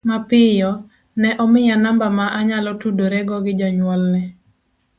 Mapiyo, ne omiya namba ma anyalo tudorego gi jonyuolna.